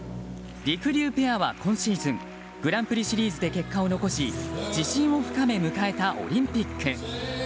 りくりゅうペアは今シーズングランプリシリーズで結果を残し自信を深め迎えたオリンピック。